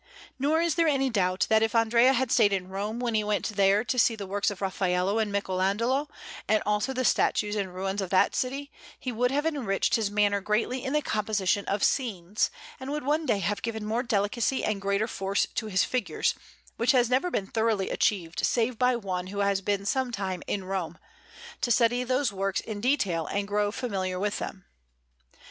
Nor is there any doubt that if Andrea had stayed in Rome when he went there to see the works of Raffaello and Michelagnolo, and also the statues and ruins of that city, he would have enriched his manner greatly in the composition of scenes, and would one day have given more delicacy and greater force to his figures; which has never been thoroughly achieved save by one who has been some time in Rome, to study those works in detail and grow familiar with them.